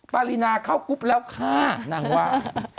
ปรินาเข้ากรุ๊ปแล้วฆ่านางว่า